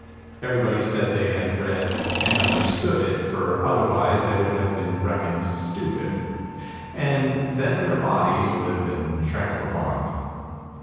Everybody said they had read and understood it, for otherwise they would have been reckoned stupid, and then their bodies would have been trampled upon.